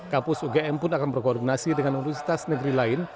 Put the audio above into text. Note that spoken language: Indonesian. kampus ugm pun akan berkoordinasi dengan universitas negeri lain